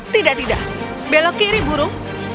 tidak tidak belok kiri burung